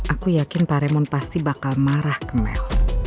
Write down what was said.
aku yakin pak raymond pasti bakal marah ke mel